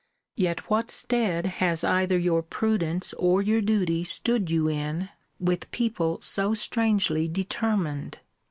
Yet what stead has either your prudence or your duty stood you in, with people so strangely determined?